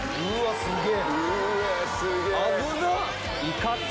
すげえ！